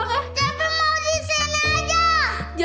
cepi mau disini aja